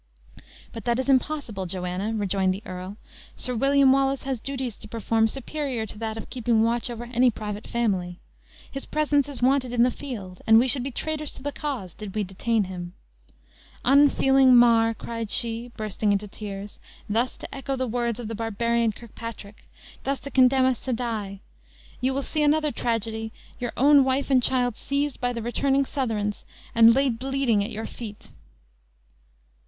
"But that is impossible, Joanna," rejoined the earl; "Sir William Wallace has duties to perform superior to that of keeping watch over any private family. His presence is wanted in the field, and we should be traitors to the cause did we detain him." "Unfeeling Mar," cried she, bursting into tears, "thus to echo the words of the barbarian Kirkpatrick; thus to condemn us to die! You will see another tragedy: your own wife and child seized by the returning Southrons, and laid bleeding at your feet!"